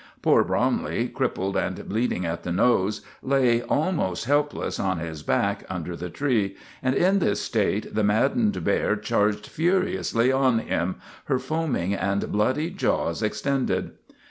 Poor Bromley, crippled and bleeding at the nose, lay almost helpless on his back under the tree, and in this state the maddened bear charged furiously on him, her foaming and bloody jaws extended.